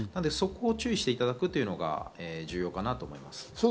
そこを注意していただくのが重要かなと思います。